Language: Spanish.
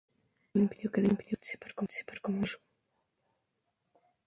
Pero eso no le impidió que deseen participar como un elenco en el show.